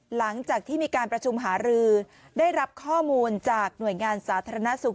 หลังจากที่มีการประชุมหารือได้รับข้อมูลจากหน่วยงานสาธารณสุข